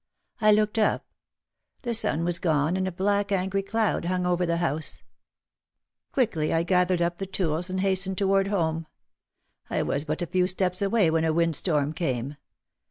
I looked up. The sun was gone and a black angry cloud hung over our house. Quickly I gathered 44 OUT OF THE SHADOW up the tools and hastened toward home. I was but a few steps away when a wind storm came.